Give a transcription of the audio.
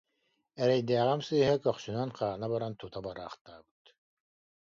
Эрэйдээҕим сыыһа, көхсүнэн хаана баран, тута бараахтаабыт»